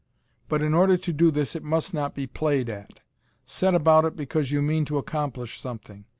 But in order to do this it must not be "played at." Set about it because you mean to accomplish something.